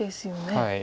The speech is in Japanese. はい。